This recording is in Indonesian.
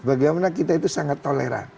bagaimana kita itu sangat toleran